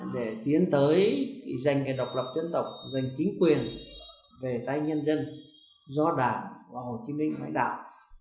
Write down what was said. để tiến tới dành độc lập dân tộc dành chính quyền về tay nhân dân do đảng và hồ chí minh khởi đạo